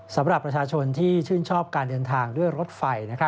สำหรับประชาชนที่ชื่นชอบการเดินทางด้วยรถไฟ